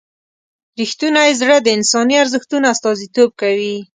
رښتونی زړه د انساني ارزښتونو استازیتوب کوي.